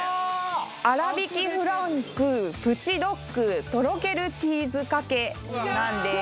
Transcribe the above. あらびきフランクプチドッグとろけるチーズかけなんです